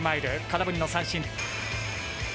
空振りの三振。